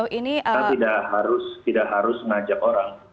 kita tidak harus ngajak orang